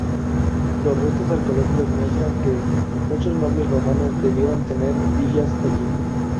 Los restos arqueológicos muestran que muchos nobles romanos debieron tener villas allí.